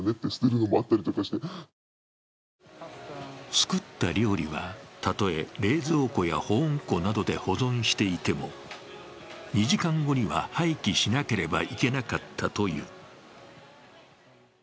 作った料理は、たとえ冷蔵庫や保温庫などで保存していても２時間後には廃棄しなければいけなかったという。